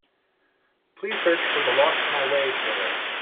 Please search for the Lost My Way trailer.